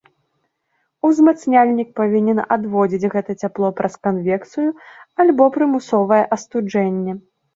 Узмацняльнік павінен адводзіць гэта цяпло праз канвекцыю альбо прымусовае астуджэнне.